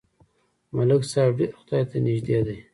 ملک صاحب ډېر خدای ته نږدې دی.